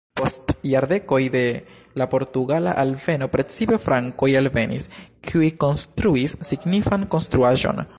Post jardekoj de la portugala alveno precipe francoj alvenis, kiuj konstruis signifan konstruaĵon.